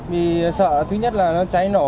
mình sợ thứ nhất là nó cháy nổ